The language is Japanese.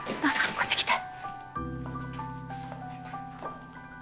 こっち来て。